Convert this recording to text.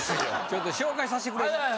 ちょっと紹介させてください。